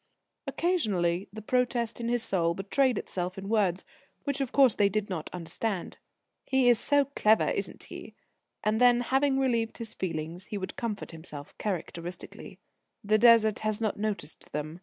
Occasionally the protest in his soul betrayed itself in words, which of course they did not understand. "He is so clever, isn't he?" And then, having relieved his feelings, he would comfort himself characteristically: "The Desert has not noticed them.